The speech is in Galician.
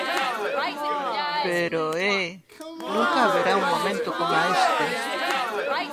Pero eh, nunca haberá un momento coma este.